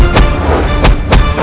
cepat cepat kalian